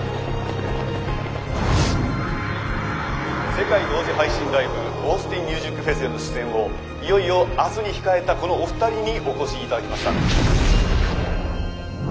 世界同時配信ライブオースティンミュージックフェスへの出演をいよいよ明日に控えたこのお二人にお越し頂きました。